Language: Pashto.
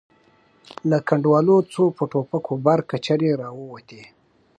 له کنډوالو څو په ټوپکو بار کچرې را ووتې.